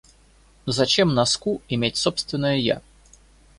Зачем носку иметь собственное «я»?